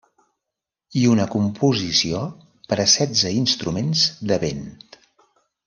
I una composició per a setze instruments de vent.